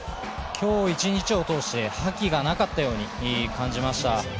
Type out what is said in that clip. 今日一日を通して、覇気がなかったように感じました。